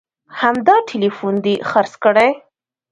همدا ټلیفون دې خرڅ کړي